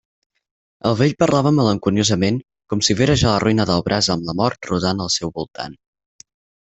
El vell parlava malenconiosament, com si vera ja la ruïna del braç amb la mort rodant al seu voltant.